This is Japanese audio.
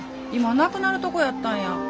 今なくなるとこやったんや。